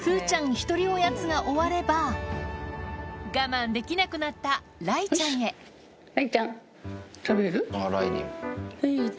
１人おやつが終われば我慢できなくなった雷ちゃんへ雷ちゃん。